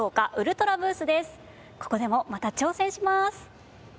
ここでもまた挑戦します！